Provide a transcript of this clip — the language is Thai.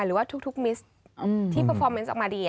หรือว่าทุกมิสที่พอฟอร์เมนต์ออกมาดี